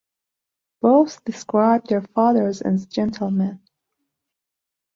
Both described their fathers as gentlemen.